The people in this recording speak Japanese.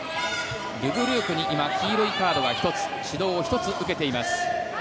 ル・ブルークに今、黄色いカードが１つ指導を１つ受けています。